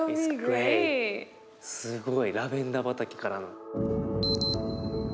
すごいラベンダー畑からの。